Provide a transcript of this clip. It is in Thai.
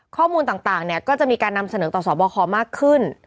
ข้อมูลต่างต่างเนี่ยก็จะมีการนำเสนอต่อสอบบครมากขึ้น